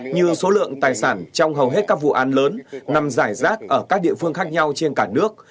như số lượng tài sản trong hầu hết các vụ án lớn nằm giải rác ở các địa phương khác nhau trên cả nước